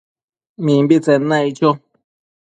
Mimbitsen naic cho